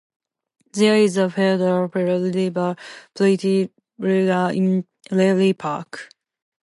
There is a feeder reservoir, Perry Reservoir, in Perry Park.